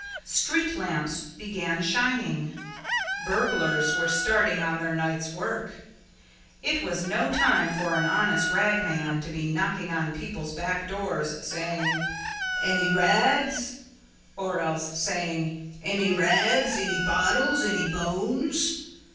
Street lamps began shining. Burglars were starting on their night's work. It was no time for an honest ragman to be knocking on people's back doors, saying, "Any rags?" or else saying, "Any rags? any bottles? any bones?"